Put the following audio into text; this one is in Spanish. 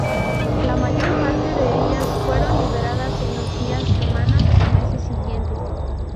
La mayor parte de ellas fueron liberadas en los días, semanas o meses siguientes.